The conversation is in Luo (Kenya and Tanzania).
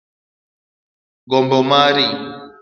Gombo mari.